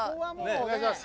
お願いします。